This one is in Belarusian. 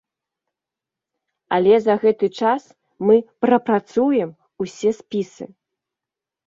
Але за гэты час мы прапрацуем усе спісы.